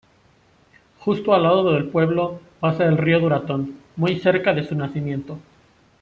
Justo al lado del pueblo pasa el río Duratón, muy cerca de su nacimiento.